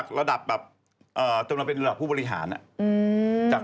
คุณบ๊อกเหรอคุณบ๊อก